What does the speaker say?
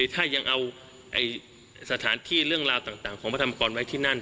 ถ้ายังเอาสถานที่เรื่องราวต่างของพระธรรมกรไว้ที่นั่น